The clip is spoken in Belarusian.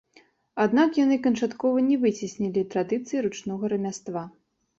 Аднак яны канчаткова не выцеснілі традыцыі ручнога рамяства.